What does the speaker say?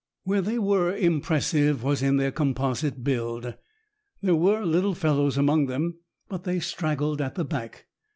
Where they were impressive was in their composite build. There were little fellows among them, but they straggled at the back.